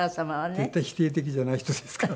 絶対否定的じゃない人ですから。